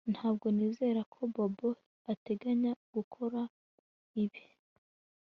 Ntabwo nizera ko Bobo ateganya gukora ibi